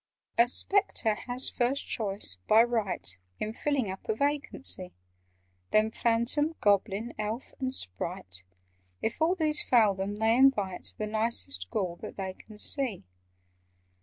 "A Spectre has first choice, by right, In filling up a vacancy; Then Phantom, Goblin, Elf, and Sprite— If all these fail them, they invite The nicest Ghoul that they can see.